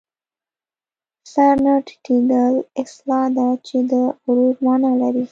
سر نه ټیټېدل اصطلاح ده چې د غرور مانا لري